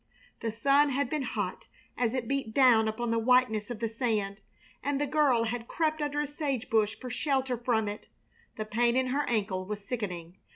The sun had been hot as it beat down upon the whiteness of the sand, and the girl had crept under a sage bush for shelter from it. The pain in her ankle was sickening.